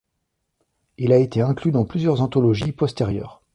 Il a été inclus dans plusieurs anthologies postérieures.